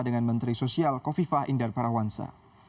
dengan menteri sosial kofifa indar parawansa